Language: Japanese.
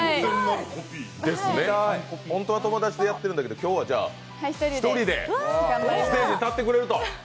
本当は友達とやっているんだけど、今日は１人でステージに立ってくれると。